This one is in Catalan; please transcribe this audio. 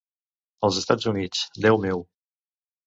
Als Estats Units, Déu meu.